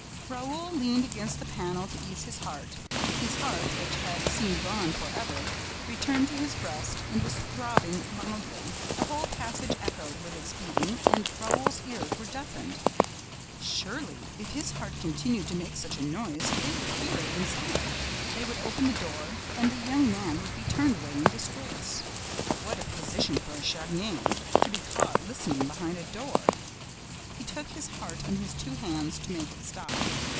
Raoul leaned against the panel to ease his pain. His heart, which had seemed gone for ever, returned to his breast and was throbbing loudly. The whole passage echoed with its beating and Raoul's ears were deafened. Surely, if his heart continued to make such a noise, they would hear it inside, they would open the door and the young man would be turned away in disgrace. What a position for a Chagny! To be caught listening behind a door! He took his heart in his two hands to make it stop.